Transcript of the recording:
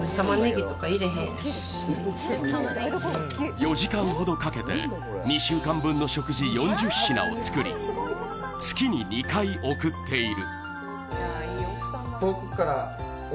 ４時間ほどかけて２週間分の食事４０品を作り月に２回、送っている。